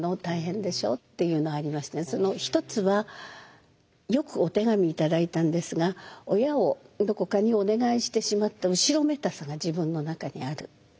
大変でしょ？」っていうのがありまして一つはよくお手紙頂いたんですが親をどこかにお願いしてしまった後ろめたさが自分の中にある。